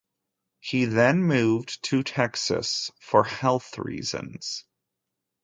He then moved to Texas for health reasons.